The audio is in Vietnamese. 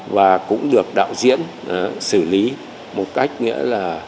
và cũng được đạo diễn xử lý một cách nghĩa là